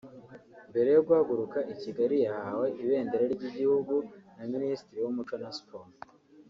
Mbere yo guhaguruka i Kigali yahawe ibendera ry'igihugu na Minisitiri w'Umuco na Siporo